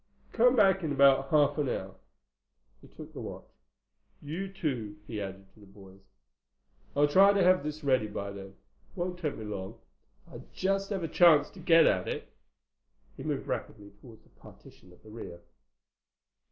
Come back in about half an hour." He took the watch. "You too," he added to the boys. "I'll try to have this ready by then. Won't take me long—if I just have a chance to get at it." He moved rapidly toward the partition at the rear.